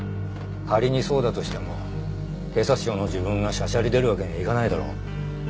仮にそうだとしても警察庁の自分がしゃしゃり出るわけにはいかないだろ。